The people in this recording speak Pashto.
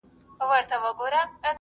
بانکونه خپلو مشتريانو ته پورونه ورکوي.